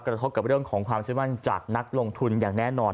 กระทบกับเรื่องของความเชื่อมั่นจากนักลงทุนอย่างแน่นอน